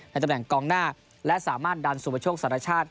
ในตำแหน่งกองหน้าและสามารถดันสุมประโชคสัตว์ราชาติ